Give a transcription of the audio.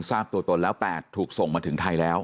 ทราบตัวตนแล้ว๘ถูกส่งมาถึงไทยแล้ว